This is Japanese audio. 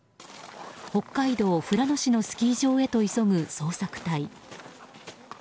北海道富良野市のスキー場へと急ぐ捜索隊。